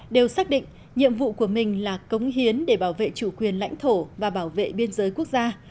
đều xác định nhiệm vụ của mình là cống hiến để bảo vệ chủ quyền lãnh thổ và bảo vệ biên giới quốc gia